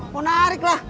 mau narik lah